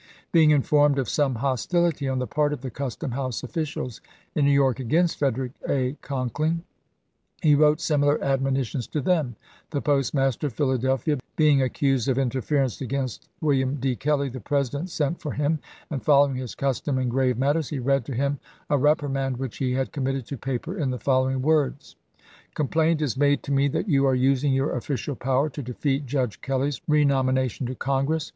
Being informed of some hostility on the part of the custom house officials in New York against Frederick A. Conkling, he wrote similar admoni tions to them. The postmaster of Philadelphia being accused of interference against William D. Kelley, the President sent for him, and, following his custom in grave matters, he read to him a rep rimand which he had committed to paper in the following words : Complaint is made to me that you are using your official power to defeat Judge Kelley's renomination to Congress.